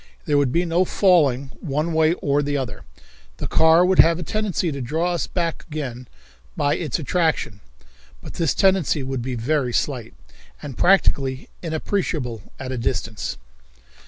There would be no falling one way or the other. The car would have a tendency to draw us back again by its attraction, but this tendency would be very slight, and practically inappreciable at a distance.